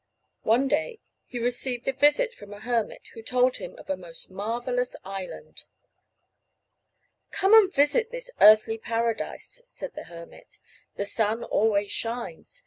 One day he received a visit from a hermit who told him of a most marvelous island. "Come and visit this earthly Paradise," said the hermit. "There the sun always shines.